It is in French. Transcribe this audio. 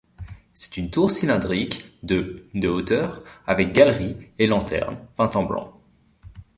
C'est une tour cylindrique de de hauteur, avec galerie et lanterne, peinte en blanc.